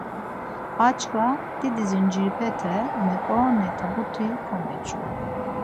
A çkva, didi zincirepete meǩoreri tabut̆i komeçu.